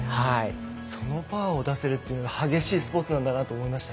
そのパワーを出せるというのが激しいスポーツなんだなって思いました。